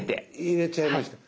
入れちゃいました。